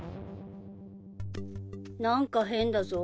何か変だぞ。